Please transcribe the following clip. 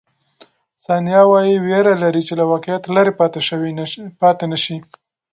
ثانیه وايي، وېره لري چې له واقعیت لیرې پاتې نه شي.